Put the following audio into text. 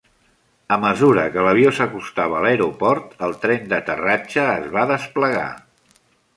A mesura que l'avió s'acostava a l'aeroport, el tren d'aterratge es va desplegar.